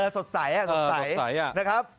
สดใสนะครับ